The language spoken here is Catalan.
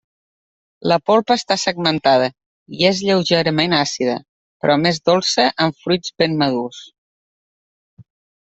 La polpa està segmentada i és lleugerament àcida però més dolça en fruits ben madurs.